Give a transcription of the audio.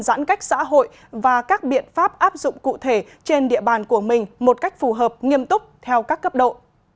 giãn cách xã hội và các biện pháp áp dụng cụ thể trên địa bàn của mình một cách phù hợp nghiêm túc theo các cấp độ